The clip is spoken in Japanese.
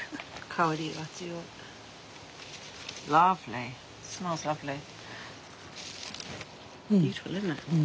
香りがいい。